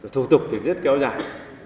thủ tục thì rất kéo dài